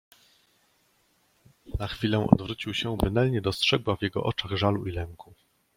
Na chwilę odwrócił się, by Nel nie dostrzegła w jego oczach żalu i lęku.